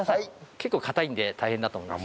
結構かたいんで大変だと思います。